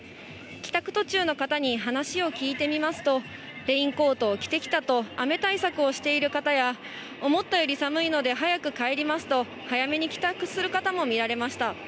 帰宅途中の方に話を聞いてみますと、レインコートを着てきたと、雨対策をしている方や、思ったより寒いので早く帰りますと、早めに帰宅する方も見られました。